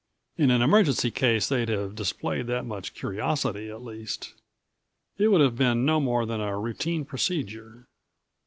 In an emergency case they'd have displayed that much curiosity, at least. It would have been no more than a routine procedure.